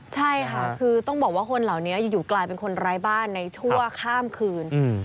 ใช่ค่ะคือต้องบอกว่าคนเหล่านี้อยู่กลายเป็นคนร้ายบ้านในชั่วข้ามคืน